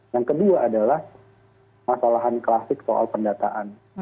yang kedua adalah masalahan klasik soal pendataan